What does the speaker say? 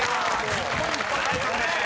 １０ポイント獲得です］